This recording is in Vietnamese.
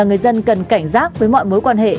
người dân cần cảnh giác với mọi mối quan hệ